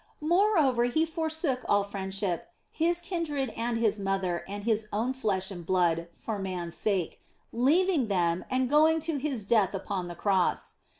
Moreover He forsook all friendship, His kindred and His mother and His own flesh and blood for man s sake, leaving them and going to. His death upon the Cross.